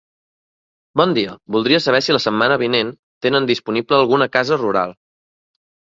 Bon dia, voldria saber si la setmana vinent tenen disponible alguna casa rural.